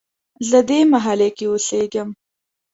زه دې محلې کې اوسیږم